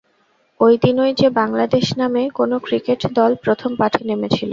ওই দিনই যে বাংলাদেশ নামে কোনো ক্রিকেট দল প্রথম মাঠে নেমেছিল।